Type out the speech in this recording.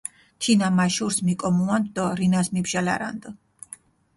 თინა მა შურს მიკომუანდჷ დო რინას მიბჟალარანდჷ.